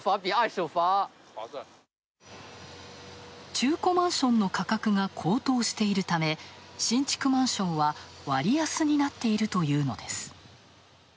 中古マンションの価格が高騰しているため、新築マンションは、割安になっているというのです。